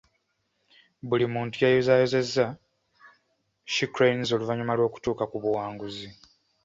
Buli muntu yayozaayozezza She cranes oluvannyuma lw'okutuuka ku buwanguzi.